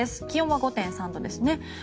気温は５．３度ですね。